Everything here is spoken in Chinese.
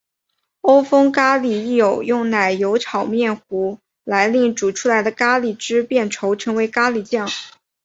欧风咖哩亦有用奶油炒面糊来令煮出来的咖喱汁变稠成为咖喱酱。